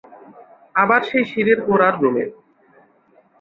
আবার সেই সিঁড়ির গোড়ার রুমে।